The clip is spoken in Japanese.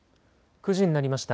９時になりました。